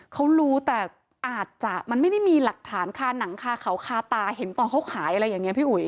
เขารู้แต่อาจจะมันไม่ได้มีหลักฐานคาหนังคาเขาคาตาเห็นตอนเขาขายอะไรอย่างนี้พี่อุ๋ย